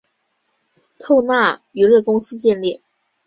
透纳娱乐公司建立。